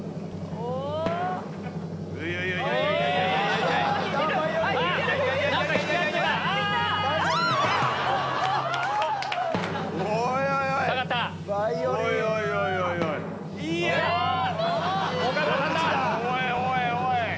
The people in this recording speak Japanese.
おいおいおい！